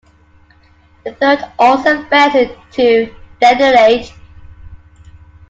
The third also failed to detonate.